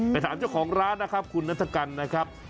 ไปถามเจ้าของร้านนะครับคุณนัฐกันนะครับ